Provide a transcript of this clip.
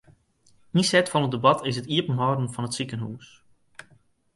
Ynset fan it debat is it iepenhâlden fan it sikehús.